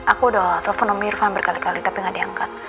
aku udah telpon om irvan berkali kali tapi gak diangkat